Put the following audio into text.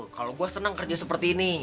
kalau gue senang kerja seperti ini